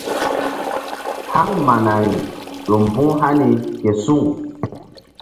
Haŋ manari ƴo mbu̧h hani ke suŋ.